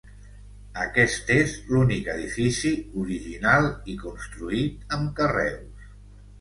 Aquest és l'únic edifici original i construït amb carreus.